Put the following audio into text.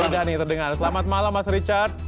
sudah nih terdengar selamat malam mas richard